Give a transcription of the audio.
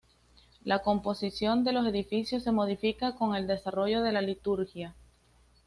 La composición de los edificios se modifica con el desarrollo de la liturgia.